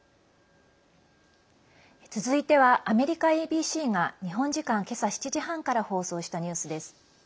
続いては、アメリカＡＢＣが日本時間けさ７時半から放送したニュースです。